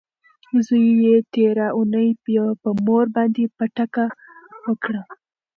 زوی یې تیره اونۍ په مور باندې پټکه وکړه.